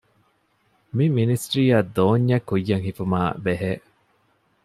މި މިނިސްޓްރީއަށް ދޯންޏެއް ކުއްޔަށް ހިފުމާއި ބެހޭ